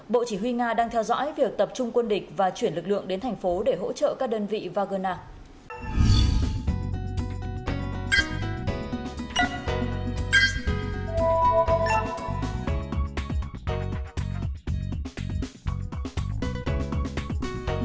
bộ chỉ huy nga đang theo dõi việc tập trung quân địch và chuyển lực lượng đến thành phố để hỗ trợ các đơn vị vagina